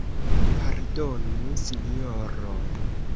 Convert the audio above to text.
Pardonu Sinjoro!